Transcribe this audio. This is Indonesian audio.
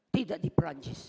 tidak di perancis